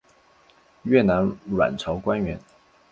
越南阮朝官员。